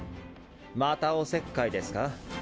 またおせっかいですか？